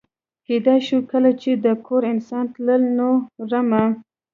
کېدای شو کله چې د کور انسان تلل، نو رمه.